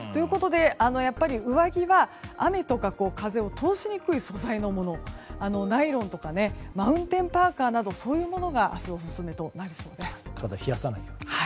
やっぱり上着は雨とか風を通しにくい素材のもの、ナイロンとかマウンテンパーカなどそういうものが明日オススメとなりそうです。